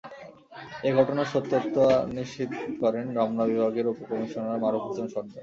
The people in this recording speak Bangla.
এ ঘটনার সত্যতা নিশ্চিত করেন রমনা বিভাগের উপকমিশনার মারুফ হোসেন সর্দার।